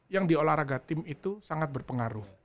yang di olahraga tim itu sangat berpengaruh